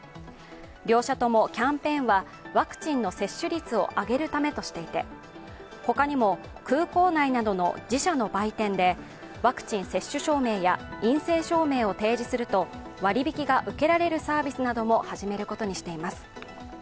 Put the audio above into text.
両社ともキャンペーンはワクチンの接種率を上げるためとしていて、他にも空港内などの自社の売店でワクチン接種証明や陰性証明を提示すると割引きが受けられるサービスも始めることにしています。